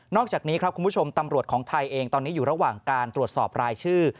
อกจากนี้ครับคุณผู้ชมตำรวจของไทยเองตอนนี้อยู่ระหว่างการตรวจสอบรายชื่อ